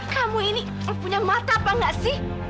kamu ini punya mata apa enggak sih